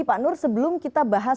pak nur sebelum kita bahas